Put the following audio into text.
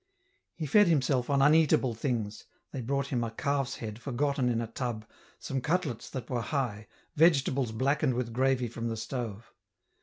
He fed himself on uneatable things, they brought him a calf s head forgotten in a tub, some cutlets that were high, vegetables blackened with gravy from the stove.